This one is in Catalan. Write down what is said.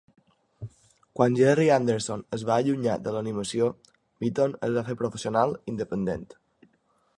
Quan Gerry Anderson es va allunyar de l'animació, Mitton es va fer professional independent.